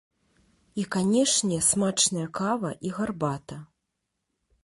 І канешне, смачная кава і гарбата!